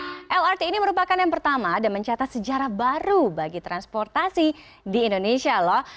lrt palembang adalah perusahaan pertama dan mencatat sejarah baru bagi transportasi di indonesia